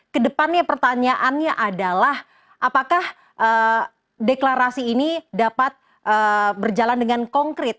kedepannya pertanyaannya adalah apakah deklarasi ini dapat berjalan dengan konkret